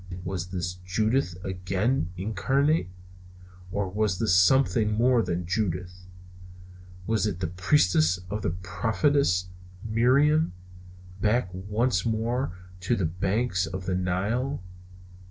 Was this Judith again incarnate? Or was this something more than Judith? Was it the Priestess and the Prophetess Miriam, back once more to the banks of the Nile?